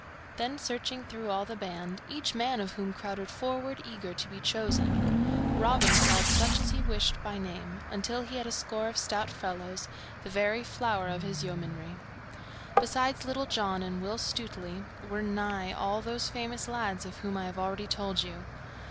Then searching through all the band, each man of whom crowded forward eager to be chosen, Robin called such as he wished by name, until he had a score of stout fellows, the very flower of his yeomanrie. Besides Little John and Will Stutely were nigh all those famous lads of whom I have already told you.